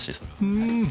うん。